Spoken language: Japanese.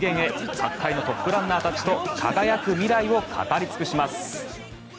各界のトップランナーたちと輝く未来を語り尽くします。